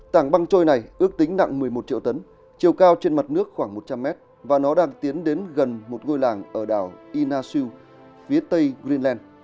tảng băng trôi này ước tính nặng một mươi một triệu tấn chiều cao trên mặt nước khoảng một trăm linh mét và nó đang tiến đến gần một ngôi làng ở đảo inasiu phía tây greenland